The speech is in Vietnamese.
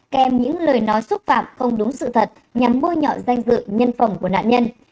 kèm những lời nói xúc phạm không đúng sự thật nhằm bôi nhọ danh dự nhân phẩm của nạn nhân